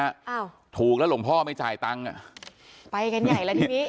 อ้าวถูกแล้วหลวงพ่อไม่จ่ายตังค์อ่ะไปกันใหญ่แล้วทีนี้